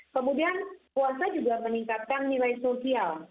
kemudian puasa juga meningkatkan nilai sosial